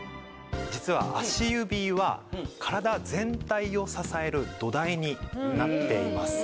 実は足指は体全体を支える土台になっています。